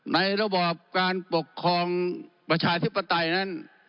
ระบอบการปกครองประชาธิปไตยนั้น